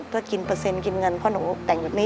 เพื่อกินเปอร์เซ็นต์กินเงินเพราะหนูแต่งแบบนี้